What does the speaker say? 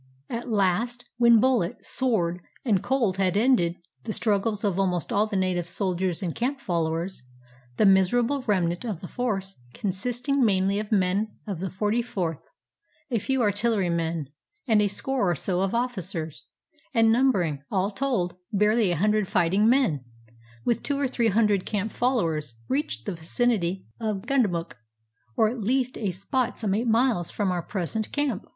At last, when bullet, sword, and cold had ended the struggles of almost all the native soldiers and camp followers, the miserable remnant of the force, consisting mainly of men of the Forty fourth, a few Artillery men, and a score or so of ofi&cers, and numbering, all told, barely a hundred fighting men, with two or three hun dred camp followers, reached the vicinity of Gunda muk, or at least a spot some eight miles from our pres ent camp.